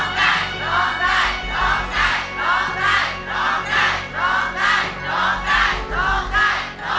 ร้องได้ร้องได้ร้องได้ร้องได้ร้องได้